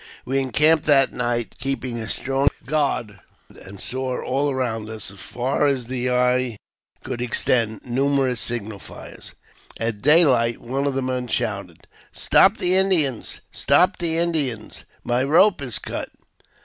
We encamped that night, keeping a strong guard, and saw all around us, as far as the eye could extend, numerous signal fires. At daylight one of our men shouted, " Stop the Indians ! stop the Indians! My rope is cut!"